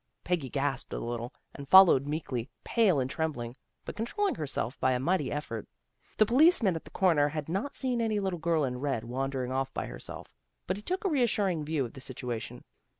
Peggy gasped a little, and followed meekly, pale and trembling, but controlling herself by a mighty effort. The policeman at the corner had not seen any little girl in red wandering off by herself, but he took a reassuring view of the situation.